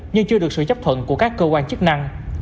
nhưng chưa được sự chấp thuận của các cơ quan chức năng